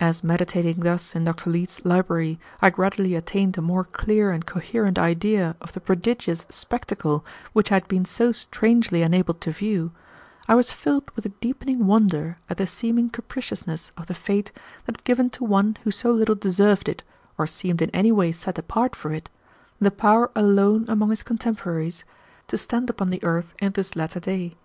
As meditating thus in Dr. Leete's library I gradually attained a more clear and coherent idea of the prodigious spectacle which I had been so strangely enabled to view, I was filled with a deepening wonder at the seeming capriciousness of the fate that had given to one who so little deserved it, or seemed in any way set apart for it, the power alone among his contemporaries to stand upon the earth in this latter day.